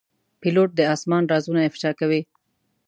پیلوټ د آسمان رازونه افشا کوي.